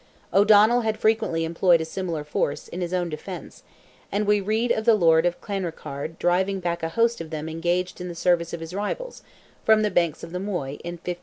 O'Donnell had frequently employed a similar force, in his own defence; and we read of the Lord of Clanrickarde driving back a host of them engaged in the service of his rivals, from the banks of the Moy, in 1558.